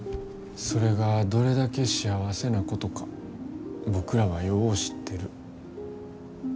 それがどれだけ幸せなことか僕らはよう知ってる。